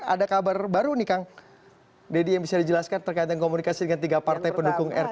ada kabar baru nih kang deddy yang bisa dijelaskan terkait dengan komunikasi dengan tiga partai pendukung r tiga